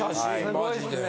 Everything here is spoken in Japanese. マジで。